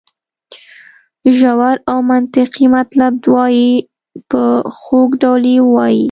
ژور او منطقي مطلب وایي په خوږ ډول یې وایي.